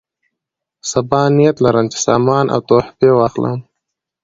صبا نیت لرم چې سامان او تحفې واخلم.